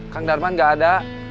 kang darman gak ada